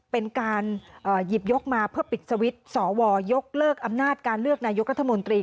เป็นการหยิบยกมาเพื่อปิดสวิตช์สวยกเลิกอำนาจการเลือกนายกรัฐมนตรี